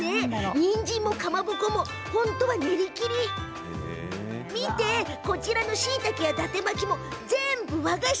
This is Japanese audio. にんじんも、かまぼこも実は練り切りでできていてこちらのしいたけや、だて巻きも全部、和菓子。